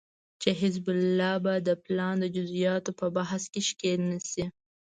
چې حزب الله به د پلان د جزياتو په بحث کې ښکېل نشي